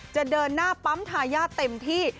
จะเดินหน้าปั๊มทายาทเต็มที่